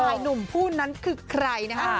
หนุ่มผู้นั้นคือใครนะฮะ